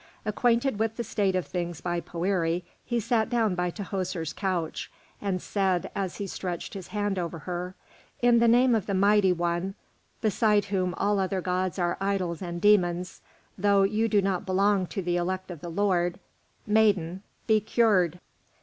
Acquainted with the state of things by Poëri, he sat down by Tahoser's couch, and said, as he stretched his hand over her: "In the name of the Mighty One beside whom all other gods are idols and demons, though you do not belong to the elect of the Lord, maiden, be cured!"